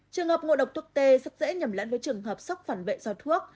trường hợp ngộ độc thuốc tê rất dễ nhầm lẫn với trường hợp sốc phản vệ do thuốc